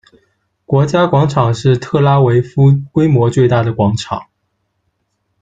国家广场是特拉维夫规模最大的广场。